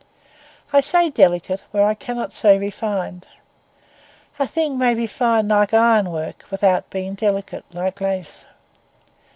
I say delicate, where I cannot say refined; a thing may be fine, like ironwork, without being delicate, like lace.